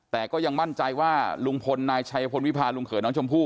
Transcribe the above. แต่ก็ยังมั่นใจว่าลุงพลนายชัยพลวิพาลุงเขยน้องชมพู่